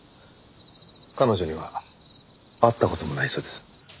彼女には会った事もないそうです。